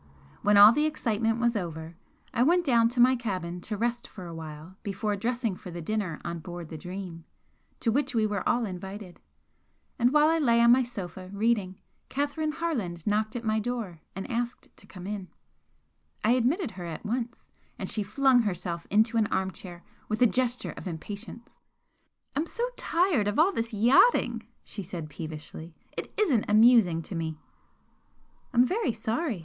When all the excitement was over, I went down to my cabin to rest for a while before dressing for the dinner on board the 'Dream' to which we were all invited, and while I lay on my sofa reading, Catherine Harland knocked at my door and asked to come in, I admitted her at once, and she flung herself into an arm chair with a gesture of impatience. "I'm so tired of all this yachting!" she said, peevishly. "It isn't amusing to me!" "I'm very sorry!"